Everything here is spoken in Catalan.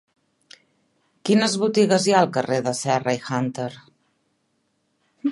Quines botigues hi ha al carrer de Serra i Hunter?